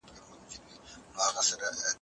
د پکتیکا زلزلې